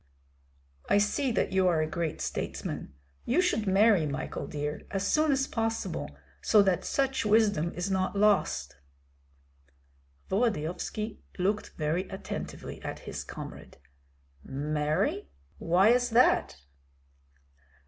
"I see that you are a great statesman. You should marry, Michael dear, as soon as possible, so that such wisdom is not lost." Volodyovski looked very attentively at his comrade. "Marry, why is that?"